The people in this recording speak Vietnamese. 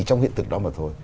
trong hiện thực đó mà thôi